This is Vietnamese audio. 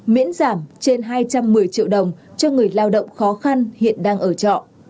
miễn giảm trên hai trăm một mươi triệu đồng cho người lao động khó khăn hiện đang ở trọ